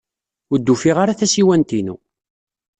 Ur d-ufiɣ ara tasiwant-inu.